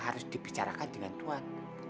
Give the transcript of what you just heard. tidak bisa dibicarakan dengan tuan